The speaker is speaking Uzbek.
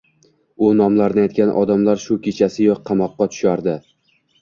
U nomlarini aytgan odamlar shu kechasiyoq qamoqqa tushardi…»